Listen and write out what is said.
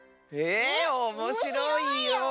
えおもしろいよ。